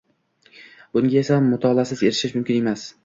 Bunga esa, mutolaasiz erishish mumkin emas